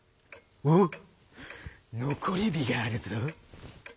「おっのこりびがあるぞ」。